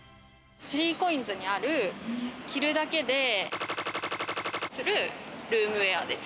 ３ＣＯＩＮＳにある着るだけでするルームウェアです。